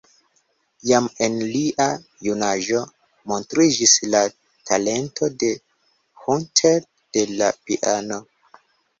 Jam en lia junaĝo montriĝis la talento de Hunter je la piano.